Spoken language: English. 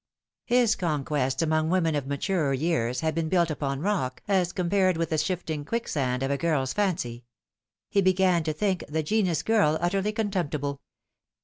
His conquests among women of maturer years had been built npon rock as compared with the shifting quicksand of a girl's fancy. Ee began to think the genus girl utterly contemptible.